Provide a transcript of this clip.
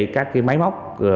các cái máy móc